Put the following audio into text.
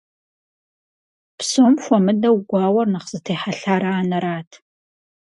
Псом хуэмыдэу гуауэр нэхъ зытехьэлъар анэрат.